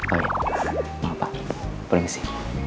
oh iya maaf pak permisi